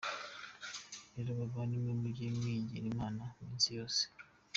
Rero bavandimwe, mujye mwiringira Imana iminsi yose!